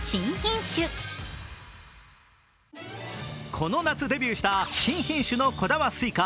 この夏デビューした新品種の小玉すいか